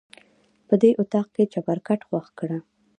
په دې اطاق کې چپرکټ خوښ کړه.